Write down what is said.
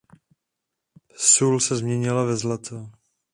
Sůl se změnila ve zlato.